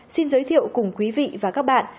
xin giới thiệu cùng quý vị và các bạn